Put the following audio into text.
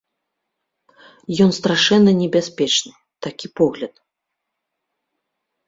Ён страшэнна небяспечны, такі погляд.